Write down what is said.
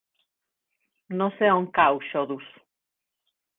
No sé on cau Xodos.